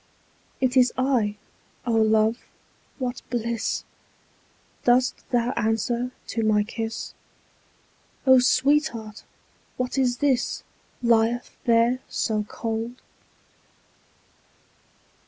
20 It is I—O love, what bliss! Dost thou answer to my kiss? O sweetheart! what is this Lieth there so cold?